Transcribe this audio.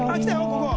ここ！